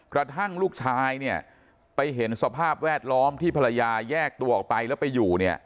กระทั่งลูกชายเนี่ยไปเห็นสภาพแวดล้อมที่ภรรยาแยกตัวออกไปแล้วไปอยู่เนี่ย